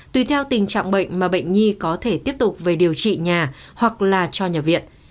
tùy theo tình trạng bệnh mà bệnh nhi có thể tiếp tục về điều trị nhà hoặc là cho nhập viện